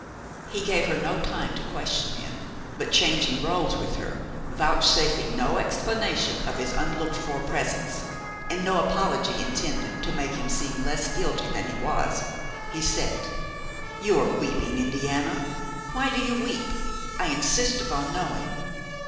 He gave her no time to question him, but, changing rôles with her, vouchsafing no explanation of his unlooked for presence, and no apology intended to make him seem less guilty than he was, he said: "You are weeping, Indiana. Why do you weep? I insist upon knowing."